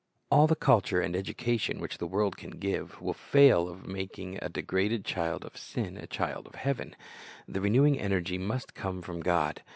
All the culture and educa tion which the world can give, will fail of making a degraded child of sin a child of heaven. The renewing energy must come from God.